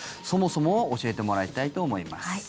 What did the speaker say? そもそもを教えてもらいたいと思います。